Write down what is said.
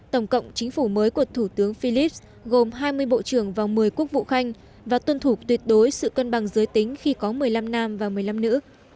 tổng cộng chính phủ mới của thủ tướng philip gồm hai mươi bộ trưởng và một mươi quốc vụ khanh và tuân thủ tuyệt đối sự cân bằng giới tính khi có một mươi năm nam và một mươi năm nữ